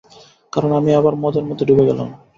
কারণ আমি আবার মদের মধ্যে ডুবে গেলাম।